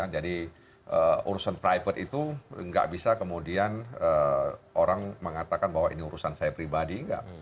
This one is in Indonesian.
jadi urusan privat itu nggak bisa kemudian orang mengatakan bahwa ini urusan saya pribadi nggak